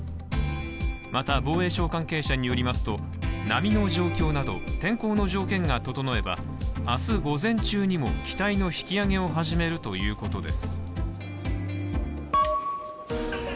また、防衛省関係者によりますと波の状況など天候の条件が整えば明日午前中にも機体の引き揚げを始めるということです。